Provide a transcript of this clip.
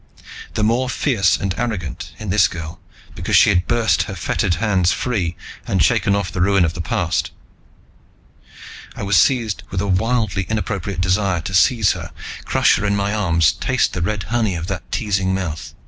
The more fierce and arrogant, in this girl, because she had burst her fettered hands free and shaken off the ruin of the past. I was seized with a wildly inappropriate desire to seize her, crush her in my arms, taste the red honey of that teasing mouth.